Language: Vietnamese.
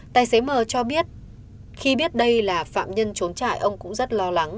tài xế m cho biết khi biết đây là phạm nhân trốn trại ông cũng rất lo lắng